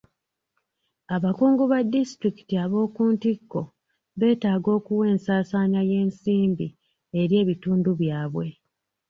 Abakungu ba disitulikiti ab'okuntiko betaaga okuwa ensansanya y'ensimbi eri ebitundu byabwe.